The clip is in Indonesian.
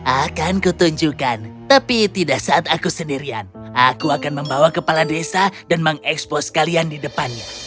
akan kutunjukkan tapi tidak saat aku sendirian aku akan membawa kepala desa dan mengekspos kalian di depannya